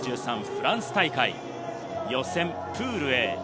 フランス大会、予選プールＡ。